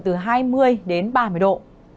từ hai mươi đến hai mươi độ